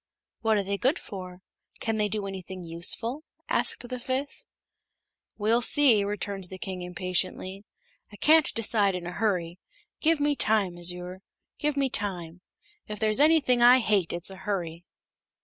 "What are they good for? Can they do anything useful?" asked the fifth. "We'll see," returned the King, impatiently. "I can't decide in a hurry. Give me time, Azure; give me time. If there's anything I hate it's a hurry."